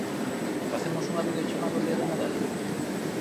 ¿Facemos unha videochamada o día de Nadal?